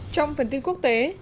trong phần tin quốc tế